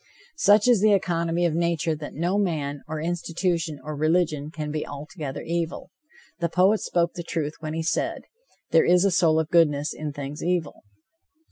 Such is the economy of nature that no man, or institution or religion, can be altogether evil. The poet spoke the truth when he said: "There is a soul of goodness in things evil."